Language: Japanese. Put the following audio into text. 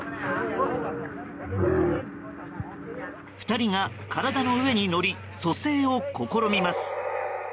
２人が体の上に乗り蘇生を試みます。